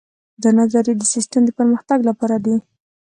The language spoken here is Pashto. دا نظریې د سیسټم د پرمختګ لپاره دي.